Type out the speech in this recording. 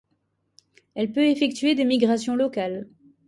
Elle peut effectuer des migrations locales.